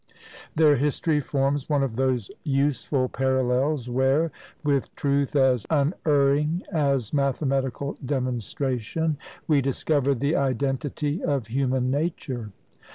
Their history forms one of those useful parallels where, with truth as unerring as mathematical demonstration, we discover the identity of human nature.